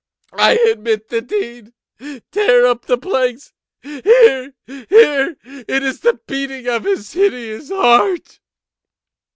I admit the deed!—tear up the planks!—here, here!—It is the beating of his hideous heart!"